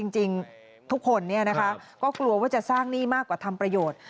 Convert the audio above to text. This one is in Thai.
จริงทุกคนก็กลัวว่าจะสร้างหนี้มากกว่าทำประโยชน์